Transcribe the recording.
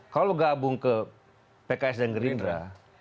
kalau gabung ke pks dan gerindra